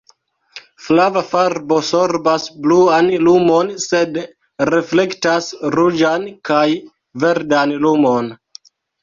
Flava farbo sorbas bluan lumon, sed reflektas ruĝan kaj verdan lumon.